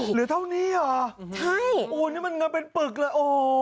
เหลือเท่านี้เหรอใช่โอ้นี่มันเงินเป็นปึกเลยโอ้โห